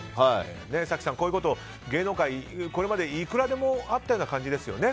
早紀さん、こういうこと芸能界ではいくらでもあったような感じですよね